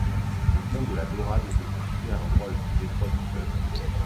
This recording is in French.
Le pont de la Daurade était construit à l'endroit le plus étroit du fleuve.